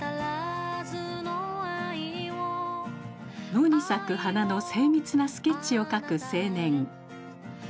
野に咲く花の精密なスケッチを描く青年。